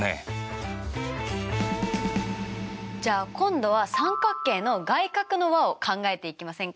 じゃあ今度は三角形の外角の和を考えていきませんか？